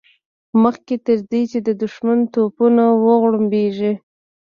مخکې تر دې چې د دښمن توپونه وغړمبېږي.